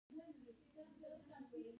کندهار د افغانستان د شنو سیمو ښکلا ده.